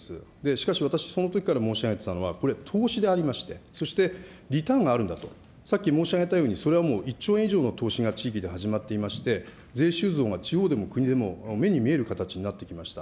しかし私、そのときから申し上げていたのは、これ、投資でありまして、そしてリターンがあるんだと、さっき申し上げたようにそれはもう１兆円以上の投資が地域で始まっていまして、税収増が地方でも国でも目に見える形になってきました。